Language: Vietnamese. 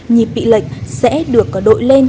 nhịp bị lệch sẽ được đổi lên